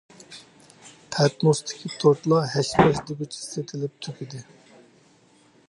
پەتنۇستىكى تورتلار ھەش-پەش دېگۈچە سېتىلىپ تۈگىدى.